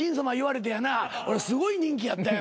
すごい人気やったのよ。